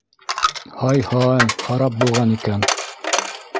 — Һай-һай, харап булған икән.